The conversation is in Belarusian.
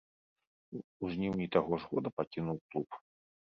У жніўні таго ж года пакінуў клуб.